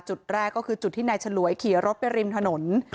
จุดแรกก็คือจุดที่นายฉลวยขี่รถไปริมถนน